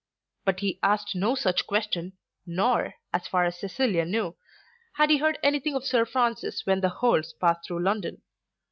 But he asked no such question, nor, as far as Cecilia knew, had he heard anything of Sir Francis when the Holts passed through London.